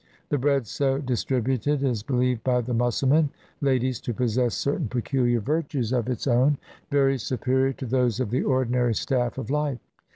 The bread so distributed is believed by the Mussulman ladies to possess certain peculiar virtues of its own, very superior to those of the ordinary staff of life.